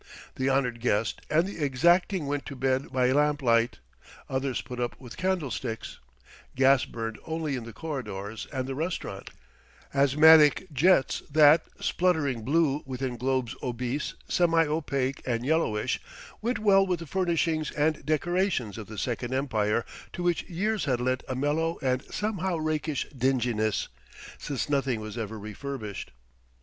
The honoured guest and the exacting went to bed by lamplight: others put up with candlesticks: gas burned only in the corridors and the restaurant asthmatic jets that, spluttering blue within globes obese, semi opaque, and yellowish, went well with furnishings and decorations of the Second Empire to which years had lent a mellow and somehow rakish dinginess; since nothing was ever refurbished.